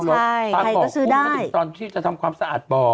ใช่ฟังของคุณก็ถึงตอนที่จะทำความสะอาดบ่อ